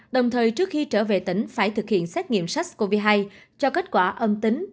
đồng thời trước khi trở về tỉnh phải thực hiện xét nghiệm sars cov hai cho kết quả âm tính